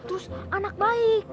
terus anak baik